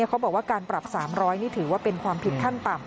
เขาบอกว่าการปรับ๓๐๐นี่ถือว่าเป็นความผิดขั้นต่ำ